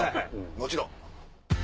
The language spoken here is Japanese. もちろん。